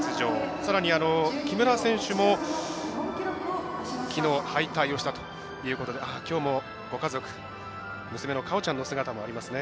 さらに木村選手も、きのう敗退をしたということできょうも、ご家族娘のかおちゃんの姿もありますね。